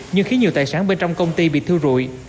nhưng khiến nhiều tài sản bên trong công ty bị thiêu rụi